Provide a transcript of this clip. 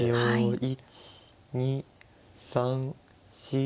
１２３４。